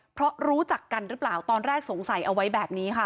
เพราะรู้จักกันหรือเปล่าตอนแรกสงสัยเอาไว้แบบนี้ค่ะ